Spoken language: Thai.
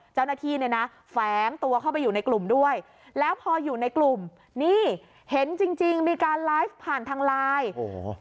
เจ้าหน้าที่เนี่ยนะแฝงตัวเข้าไปอยู่ในกลุ่มด้วยแล้วพออยู่ในกลุ่มนี่เห็นจริงจริงมีการไลฟ์ผ่านทางไลน์โอ้โห